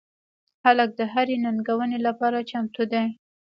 هلک د هرې ننګونې لپاره چمتو دی.